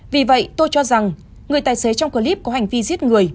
vì vậy tôi cho rằng người tài xế trong clip có hành vi giết người